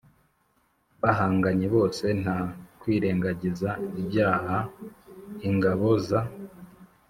bahanganye bose, nta kwirengagiza ibyaha ingabo za